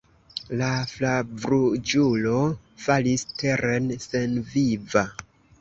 La flavruĝulo falis teren senviva.